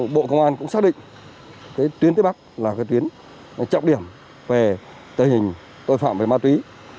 bộ công an cũng xác định tuyến phía bắc là tuyến trọng điểm về tình hình tội phạm về ma túy